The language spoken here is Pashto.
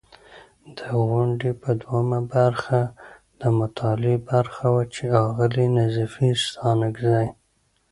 د غونډې په دوهمه برخه، د مطالعې برخه وه چې اغلې نظیفې ستانکزۍ